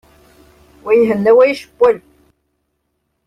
Wa ihenna, wa icewwel.